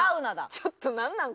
ちょっとなんなん？